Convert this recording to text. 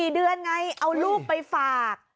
๔เดือนไงเอาลูกไปฝาก